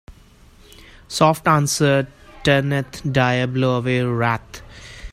A soft answer turneth diabo away wrath.